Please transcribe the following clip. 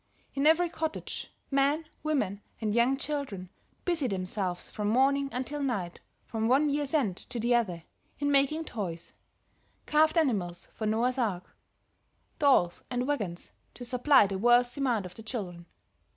In every cottage men, women and young children busy themselves from morning until night, from one year's end to the other, in making toys; carved animals for Noah's Arks, dolls and wagons, to supply the world's demand of the children.